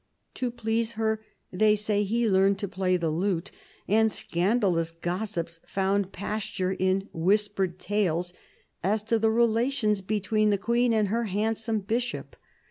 To please her, they say, he learned to play the lute ; and scandalous gossips found pasture in whispered tales as to the relations between the Queen and her handsome Bishop.